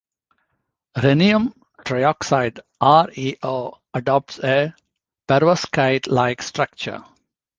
Rhenium trioxide ReO adopts a perovskite-like structure.